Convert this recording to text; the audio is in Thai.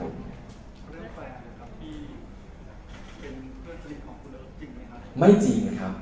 เรื่องแฟนที่เป็นเรื่องจริงของคุณเอิ๊กจริงไหมครับ